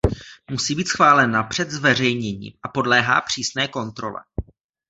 Musí být schválena před zveřejněním a podléhá přísné kontrole.